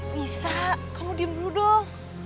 bisa kamu diem dulu dong